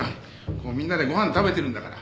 こうみんなでご飯食べてるんだから。